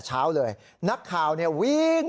เช้าเลยนักข่าวเนี่ยวิ่ง